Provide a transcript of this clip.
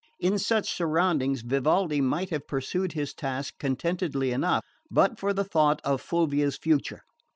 In such surroundings Vivaldi might have pursued his task contentedly enough, but for the thought of Fulvia's future.